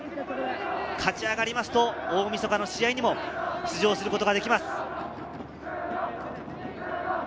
勝ち上がると、大みそかの試合にも、出場することができます。